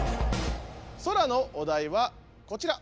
ソラのお題はこちら。